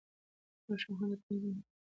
د ماشوم خندا ټولنيز مهارت پياوړی کوي.